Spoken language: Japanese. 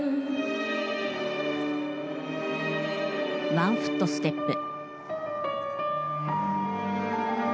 ワンフットステップ。